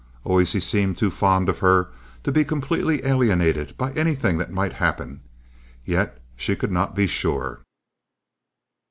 Always he seemed too fond of her to be completely alienated by anything that might happen; yet she could not be sure.